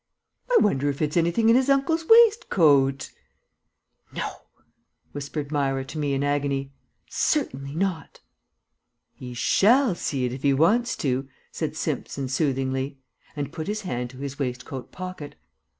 "I wonder if it's anything in his uncle's waistcoat?" "No!" whispered Myra to me in agony. "Certainly not." "He shall see it if he wants to," said Simpson soothingly, and put his hand to his waistcoat pocket.